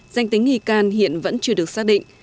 danh tính nghi can hiện vẫn chưa được xác định